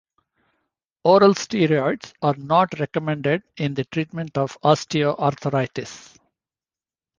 Oral steroids are not recommended in the treatment of osteoarthritis.